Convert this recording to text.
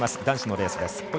男子のレースです。